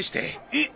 えっ？